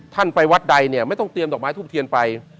ท่านไปวัดใดไม่ต้องเตรียมดอกไม้ทูปเทียนไป